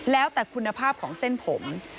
แล้วแต่คุณภาพของเส้นผม